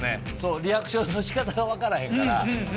リアクションのしかたが分からへんから。